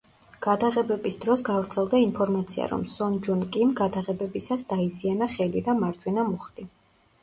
გადაღებების დროს გავრცელდა ინფორმაცია, რომ სონ ჯუნ კიმ გადაღებებისას დაიზიანა ხელი და მარჯვენა მუხლი.